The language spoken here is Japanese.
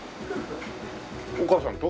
お母さんと？